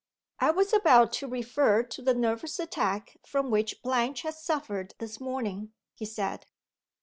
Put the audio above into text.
"I was about to refer to the nervous attack from which Blanche has suffered this morning," he said.